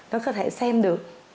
nó có thể xem được